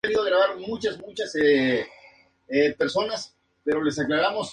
Pese a ello es la quinta de las encarnaciones del Bic Phone.